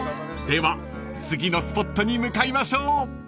［では次のスポットに向かいましょう］